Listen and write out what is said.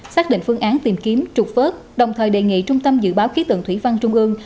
xác định phương án tìm kiếm trục vớt đồng thời đề nghị trung tâm dự báo khí tượng thủy văn trung ương